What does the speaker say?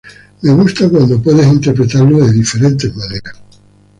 Me gusta cuando puedes interpretarlo de diferentes maneras.